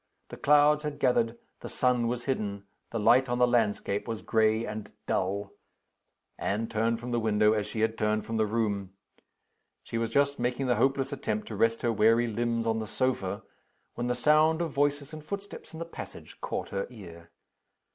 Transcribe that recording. The clouds had gathered; the sun was hidden; the light on the landscape was gray and dull. Anne turned from the window, as she had turned from the room. She was just making the hopeless attempt to rest her weary limbs on the sofa, when the sound of voices and footsteps in the passage caught her ear.